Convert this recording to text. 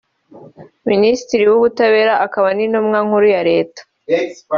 Minisitiri w’Ubutabera akaba n’Intumwa Nkuru ya Leta